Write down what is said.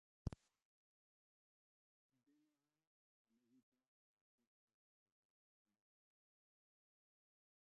Dena den, helegitea aurkez dezakete aldeek.